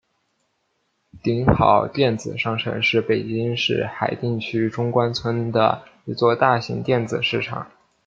鼎好电子商城是北京市海淀区中关村的一座大型电子市场。